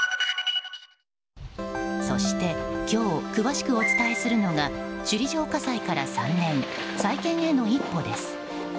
そして今日詳しくお伝えするのが首里城火災から３年再建への一歩です。